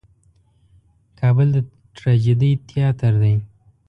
کابل د ټراجېډي تیاتر دی.